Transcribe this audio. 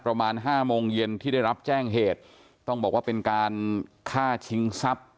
ประมาณห้าโมงเย็นที่ได้รับแจ้งเหตุต้องบอกว่าเป็นการฆ่าชิงทรัพย์